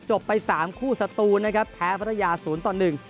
จบไป๓คู่สตูนนะครับแพ้ภรรยาศูนย์ต่อ๑